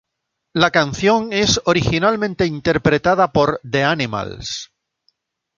La canción es originalmente interpretada por The Animals.